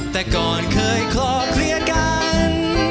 แต่ก่อนเคยขอเคลียร์กัน